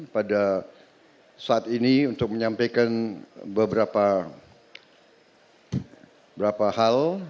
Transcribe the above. pada saat ini untuk menyampaikan beberapa hal